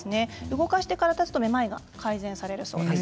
動かしてから立つとめまいが改善されるそうです。